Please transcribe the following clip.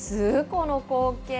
この光景。